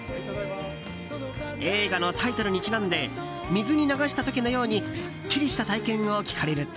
映画のタイトルにちなんで水に流した時のようにすっきりした体験を聞かれると。